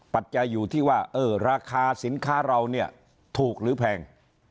ปัจจัยอยู่ที่ว่าราคาสินค้าเราเนี่ยถูกหรือแพง